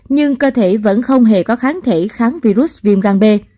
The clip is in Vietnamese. nhưng cơ thể vẫn không hề có kháng thể kháng virus viêm gan b